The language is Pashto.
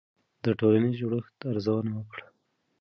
د ټولنیز جوړښت ارزونه وکړه.